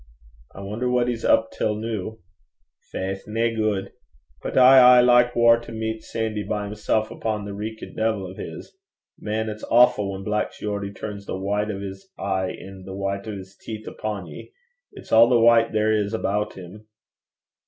'I wonner what he's up till noo.' 'Faith! nae guid. But I aye like waur to meet Sandy by himsel' upo' that reekit deevil o' his. Man, it's awfu' whan Black Geordie turns the white o' 's ee, an' the white o' 's teeth upo' ye. It's a' the white 'at there is about 'im.'